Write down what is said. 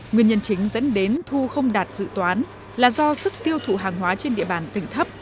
nguyên nhân chính dẫn đến thu không đạt dự toán là do sức tiêu thụ hàng hóa trên địa bàn tỉnh thấp